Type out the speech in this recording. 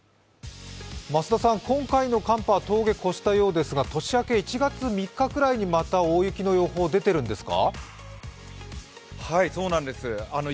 今回の寒波は峠を越したようですが年明け、１月３日ぐらいにまた大雪の予報、出てるんですか。